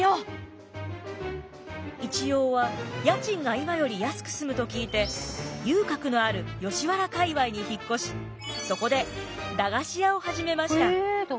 一葉は家賃が今より安く済むと聞いて遊郭のある吉原界わいに引っ越しそこでえ駄菓子屋さん？